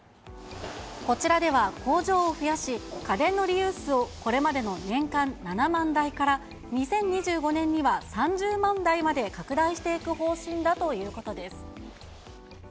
こちらでは工場を増やし、家電のリユースを、これまでの年間７万台から、２０２５年には３０万台まで拡大していく方針だということです。